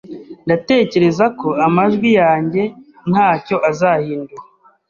Ndatekereza ko amajwi yanjye ntacyo azahindura